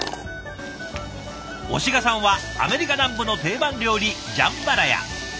押賀さんはアメリカ南部の定番料理ジャンバラヤ。